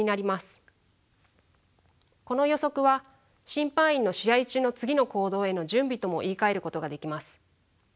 この予測は審判員の試合中の次の行動への準備とも言いかえることができます。